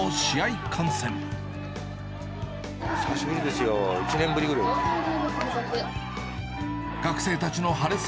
久しぶりですよ、１年ぶりぐらいです。